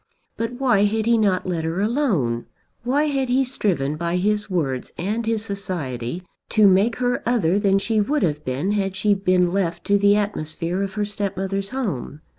But why had he not let her alone? Why had he striven by his words and his society to make her other than she would have been had she been left to the atmosphere of her stepmother's home?